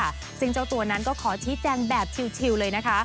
ซึ่งเจ้าตัวนั้นก็ขอชี้แจงแบบชิวเลยนะคะ